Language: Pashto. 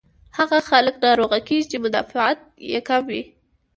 هاغه خلک ناروغه کيږي چې مدافعت ئې کم وي